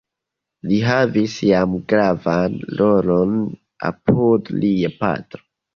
Li havis jam gravan rolon apud lia patro.